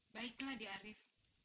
baiklah di arief